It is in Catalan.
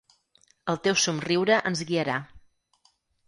El teu somriure ens guiarà.